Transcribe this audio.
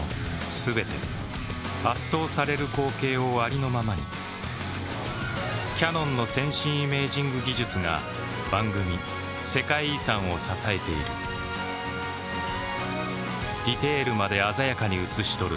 全て圧倒される光景をありのままにキヤノンの先進イメージング技術が番組「世界遺産」を支えているディテールまで鮮やかに映し撮る